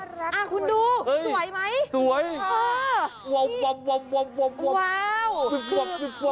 หรือคุณดูสวยไหมเอ้ยสวยว้าวว้าวว้าวว้าวว้าว